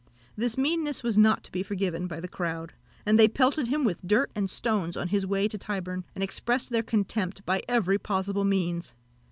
This meanness was not to be forgiven by the crowd; and they pelted him with dirt and stones on his way to Tyburn, and expressed their contempt by every possible means.